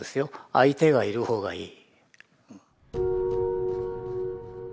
相手がいるほうがいい。